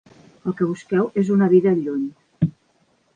El que busqueu és una vida lluny.